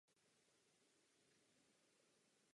Je to pořád stejné.